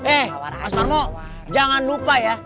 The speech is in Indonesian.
eh mas harmo jangan lupa ya